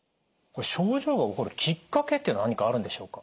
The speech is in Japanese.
症状が起こるきっかけって何かあるんでしょうか？